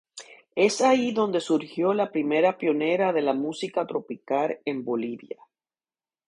Es ahí donde surgió la primera pionera de la música tropical en Bolivia.